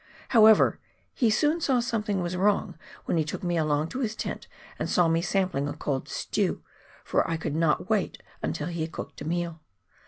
However, he soon saw something was wrong when he took me along to his tent, and saw me sampling a cold stew, for I could not wait until he had cooked a meal.